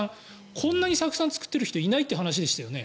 こんなに酢酸作ってる人いないという話でしたよね。